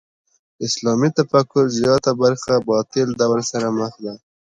اسلامي تفکر زیاته برخه باطل دور سره مخ ده.